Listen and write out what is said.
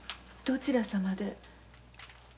どちら様で？